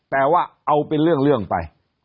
แต่ว่าเอาเป็นเรื่องเรื่องไป